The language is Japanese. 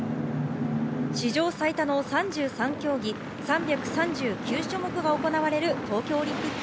史上最多の３３競技、３３９種目が行われる東京オリンピック。